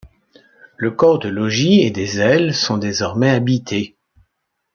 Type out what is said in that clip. Le corps de logis et des ailes sont désormais habités.